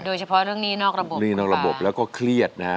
โดยเฉพาะเรื่องหนี้นอกระบบหนี้นอกระบบแล้วก็เครียดนะฮะ